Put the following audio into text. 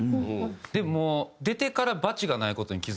でも出てからバチがない事に気付いて。